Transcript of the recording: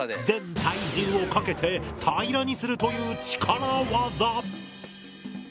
全体重をかけて平らにするという力技！